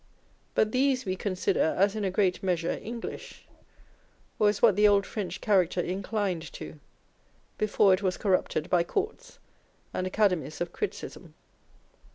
But these we consider as in a great measure English, or as what the old French character inclined to, before it was corrupted by courts and academies of criticism.